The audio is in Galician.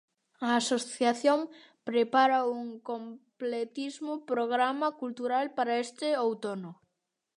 A asociación prepara un completísimo programa cultural para este outono.